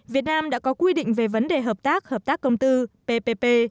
việt nam đã có quy định về vấn đề hợp tác hợp tác công tư ppp